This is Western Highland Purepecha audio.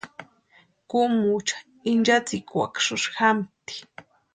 Kúmucha inchatsikwasï jámti.